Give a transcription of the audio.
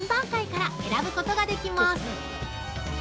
温度は３段階から選ぶことができます！